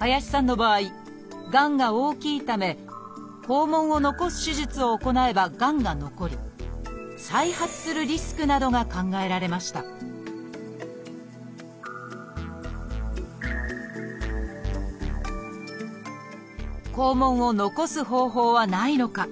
林さんの場合がんが大きいため肛門を残す手術を行えばがんが残り再発するリスクなどが考えられました肛門を残す方法はないのか。